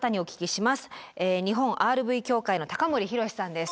日本ＲＶ協会の高森裕士さんです。